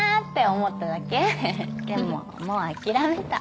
でももう諦めた。